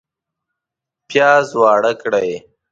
پیاز واړه کړئ